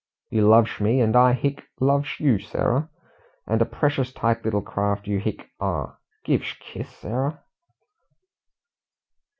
"You lovsh me, and I hic lovsh you, Sarah. And a preshus tight little craft you hic are. Giv'sh kiss, Sarah."